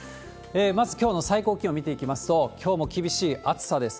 まず、きょうの最高気温見ていきますと、きょうも厳しい熱さです。